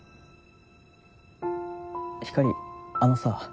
ひかりあのさ。